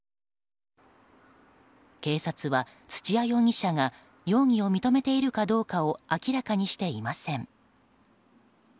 警察は、土屋容疑者が容疑を認めているかどうかを明らかにしていません。